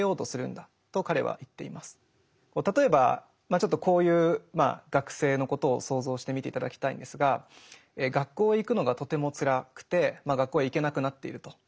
例えばちょっとこういう学生のことを想像してみて頂きたいんですが学校へ行くのがとてもつらくてまあ学校へ行けなくなっていると。